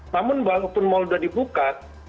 namun walaupun mal sudah dibuka